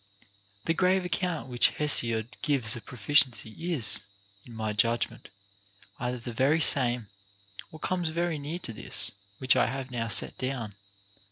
5. The grave account which Hesiod gives of proficiency is, in my judgment, either the very same, or comes very near to this which I have now set down.